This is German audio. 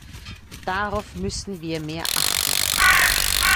Darauf müssen wir mehr achten.